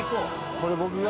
これ僕が。